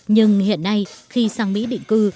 nhưng hiện nay khi sang mỹ định cư